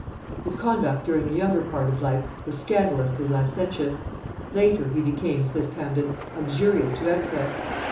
His conduct during the younger part of life was scandalously licentious: latterly he became, says Camden, uxorious to excess.